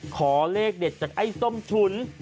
ขอเลขเด็ดจากไอ้ส้มฉุน